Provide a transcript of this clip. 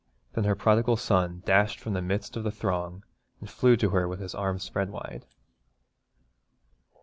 Then her prodigal son dashed from the midst of the throng and flew to her with his arms spread wide.